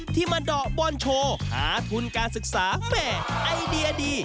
มาเดาะบอลโชว์หาทุนการศึกษาแม่ไอเดียดี